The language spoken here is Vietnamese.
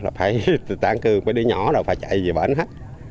là phải tán cư mới đi nhỏ rồi phải chạy về bến hết